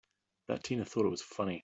That Tina thought it was funny!